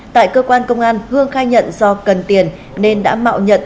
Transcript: tại cơ quan công an hương khai nhận do cần tiền nên đã mạo nhận